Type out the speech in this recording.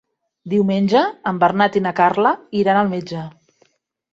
Diumenge en Bernat i na Carla iran al metge.